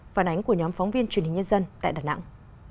phản ánh của nhóm phóng viên truyền hình nhân dân tại đà nẵng